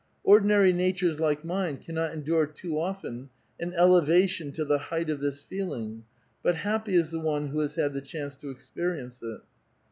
Ordinary natures like mine cannot endure too often an elevation to the height of this feeling ; but happy is the one who has had the chance to experience it.